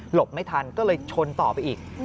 ไม่ทันก็เลยชนต่อไปอีก